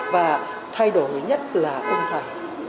và thay đổi nhất là ông thầy